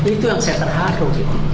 itu yang saya terharu